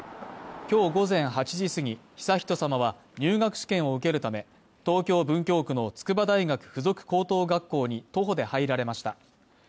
今日午前８時すぎ、悠仁さまは入学試験を受けるため、東京・文京区の筑波大学附属高等学校に徒歩で入られました。